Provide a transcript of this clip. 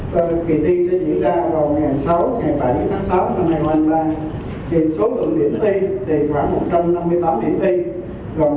tham gia coi thi được quy động